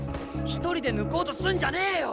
１人で抜こうとすんじゃねえよ。